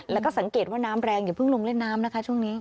แล้วก็สังเกตว่าน้ำแรงอย่าเพิ่งลงเล่นน้ำนะคะช่วงนี้